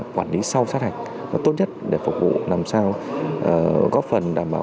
quản lý sau sát hạch tốt nhất để phục vụ làm sao góp phần đảm bảo